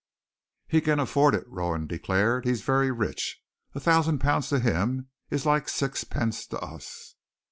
"He can afford it," Rowan declared. "He is very rich. A thousand pounds to him is like sixpence to us."